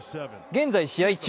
現在、試合中。